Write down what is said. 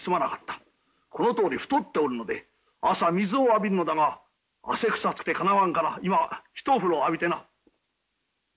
このとおり太っておるので朝水を浴びるのだが汗臭くてかなわんから今一風呂浴びてな。